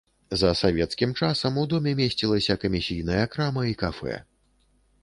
За савецкім часам у доме месцілася камісійная крама і кафэ.